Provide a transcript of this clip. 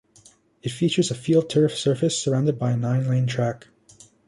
It features a FieldTurf surface surrounded by a nine-lane track.